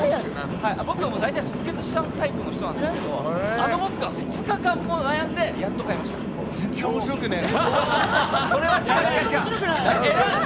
僕は即決しちゃうタイプなんですけどあの僕が２日間も悩んで全然、おもしろくない。